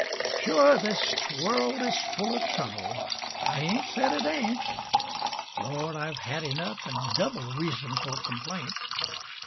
Sure, this world is full of trouble I ain't said it ain't. Lord! I've had enough, an' double, Reason for complaint.